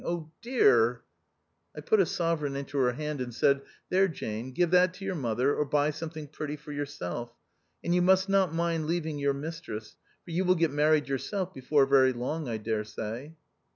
dear !" I put a sovereign into her hand, and said, " There, Jane, give that to your mother, or buy something pretty for yourself ; and you must not mind leaving your mistress, for you will get married yourself before very long, I dare say."